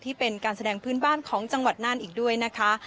เป็นการแสดงพื้นบ้านของจังหวัดน่านอีกด้วยนะคะ